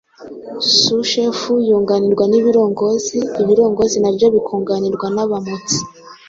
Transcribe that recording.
Sushefu yunganirwaga n'ibirongozi, ibirongozi nabyo bikunganirwa n'abamotsi